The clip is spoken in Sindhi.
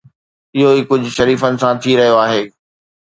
اهو ئي ڪجهه شريفن سان ٿي رهيو آهي.